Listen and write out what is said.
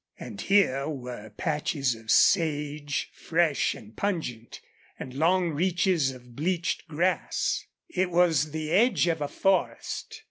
And here were patches of sage, fresh and pungent, and long reaches of bleached grass. It was the edge of a forest.